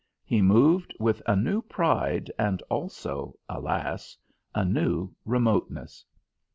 He moved with a new pride, and also alas! a new remoteness.